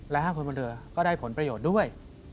และ๕คนบนเรือก็ได้ผลประโยชน์ด้วย